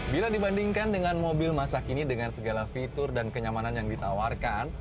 bila dibandingkan dengan mobil masa kini dengan segala fitur dan kenyamanan yang ditawarkan